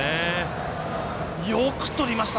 よくとりました。